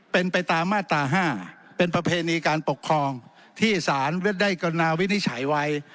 เป็นไปตามมาตรา๕เป็นประเพณีการปกครองที่สารได้กรณาวินิจฉัยไว้